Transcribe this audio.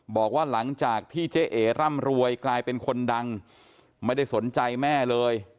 บอกว่าหลังจากที่เจ๊เอ๋ร่ำรวยกลายเป็นคนดังไม่ได้สนใจแม่เลย